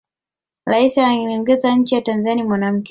rais anayeongoza nchi ya tanzania ni mwanamke